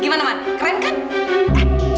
gimana man keren kan